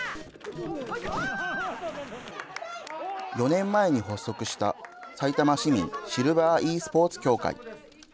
４年前に発足したさいたま市民シルバーｅスポーツ協会。